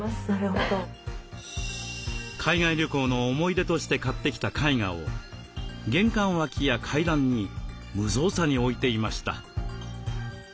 海外旅行の思い出として買ってきた絵画を玄関脇や階段に無造作に置いていました。